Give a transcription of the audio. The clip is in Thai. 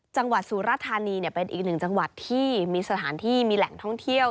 สุรธานีเป็นอีกหนึ่งจังหวัดที่มีสถานที่มีแหล่งท่องเที่ยว